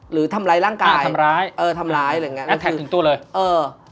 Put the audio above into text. หรือทำร้ายร่างกายถึงตู้เลย